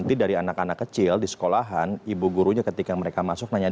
nanti dari anak anak kecil di sekolahan ibu gurunya ketika mereka masuk nanya